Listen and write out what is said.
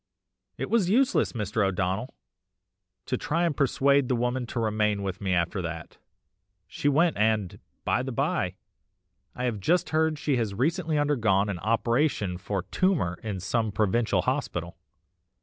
"It was useless, Mr. O'Donnell, to try and persuade the woman to remain with me after THAT, she went and, by the bye, I have just heard she has recently undergone an operation for tumour in some provincial hospital.